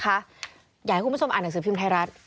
อยากให้คุณผู้ชมอ่านหนังสือพิมพ์ไทยรัฐ